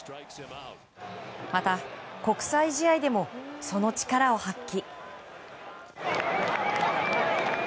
また、国際試合でもその力を発揮。